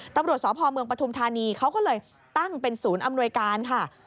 ตำรวจสพเมืองปฐุมธานีเขาก็เลยตั้งเป็นศูนย์อำนวยการค่ะ